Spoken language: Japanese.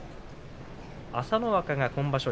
朝乃若今場所